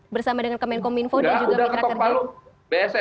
bersama dengan kemenkominfo dan juga mitra kerja